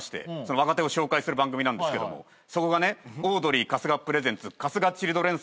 若手を紹介する番組なんですけどもそこがねオードリー春日プレゼンツ春日チルドレン